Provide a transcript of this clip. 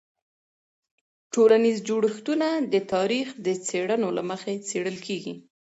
د ټولنیز جوړښتونه د تاریخ د څیړنو له مخې څیړل کېږي.